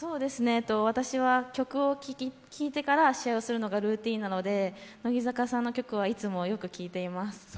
私は曲を聴いてから試合をするのがルーティンなので乃木坂さんの曲はいつもよく聴いています。